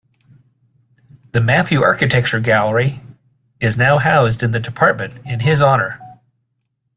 The Matthew Architecture Gallery is now housed in the Department in his honour.